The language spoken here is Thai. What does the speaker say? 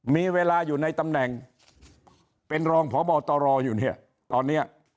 มีเวลาอยู่ในตำแหน่งเป็นรองพบตรอยู่เนี่ยตอนนี้